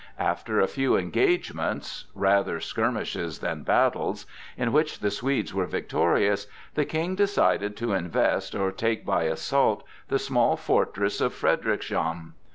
After a few engagements,—rather skirmishes than battles,—in which the Swedes were victorious, the King decided to invest or take by assault the small fortress of Frederickshamm.